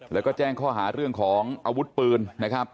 แล้วก็แจ้งข้อหาเรื่องของอาวุธปืนนะครับ